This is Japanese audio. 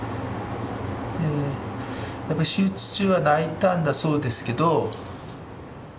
やっぱり手術中は泣いたんだそうですけど。